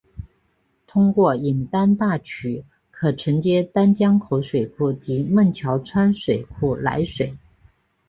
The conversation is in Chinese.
通过引丹大渠可承接丹江口水库及孟桥川水库来水。